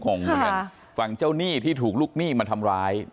งงเหมือนกันฝั่งเจ้าหนี้ที่ถูกลูกหนี้มาทำร้าย